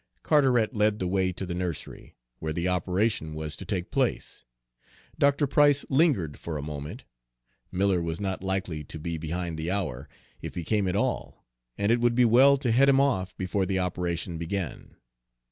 Carteret led the way to the nursery, where the operation was to take place. Dr. Price lingered for a moment. Miller was not likely to be behind the hour, if he came at all, and it would be well to head him off before the operation began.